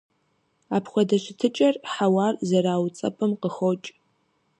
Апхуэдэ щытыкӏэр хьэуар зэрауцӀэпӀым къыхокӀ.